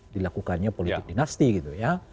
dilakukannya politik dinasti gitu ya